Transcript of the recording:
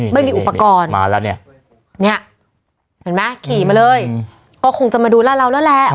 ไม่มีอุปกรณ์เห็นมั้ยขี่มาเลยก็คงจะมาดูเล่าแล้วแหละ